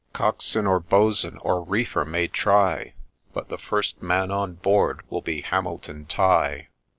Cockswain, or boatswain, or reefer may try, But the first man on board will be Hamilton Tighe